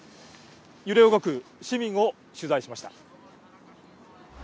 揺れ動く市民を取材しました。